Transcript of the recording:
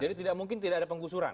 jadi tidak mungkin tidak ada pengkusuran